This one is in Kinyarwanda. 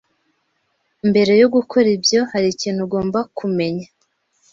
Mbere yo gukora ibyo, hari ikintu ugomba kumenya.